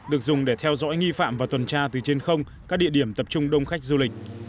được dùng để theo dõi nghi phạm và tuần tra từ trên không các địa điểm tập trung đông khách du lịch